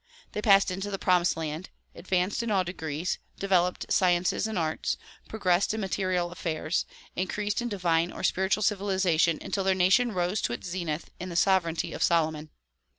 They passed into the promised land, advanced in all degrees, developed sciences and arts, progressed in material affairs, increased in divine or spiritual civilization until their nation rose to its zenith in the sovereignty of Solomon.